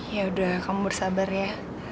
yaudah kamu bersabar ya